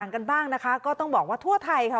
กันบ้างนะคะก็ต้องบอกว่าทั่วไทยค่ะ